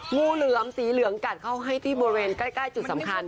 งูเหลือมสีเหลืองกัดเข้าให้ที่บริเวณใกล้จุดสำคัญ